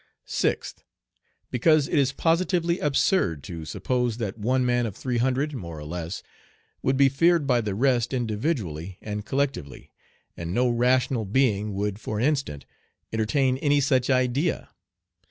Sixth. Because it is positively absurd to suppose that one man of three hundred more or less would be feared by the rest individually and collectively, and no rational being would for an instant entertain any such idea.